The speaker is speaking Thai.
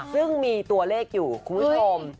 ซึ่งมีตัวเลขอยู่คุณผู้ชม